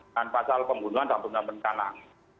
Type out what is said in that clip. dan pasal pembunuhan dan pembunuhan penganang